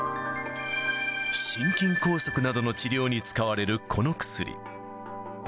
心筋梗塞などの治療に使われるこの薬。